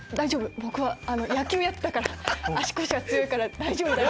僕野球やってたから足腰は強いから大丈夫だよ」